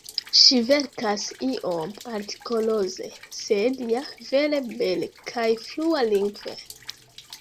Ŝi verkas iom artikoloze, sed ja vere bele kaj flua-lingve.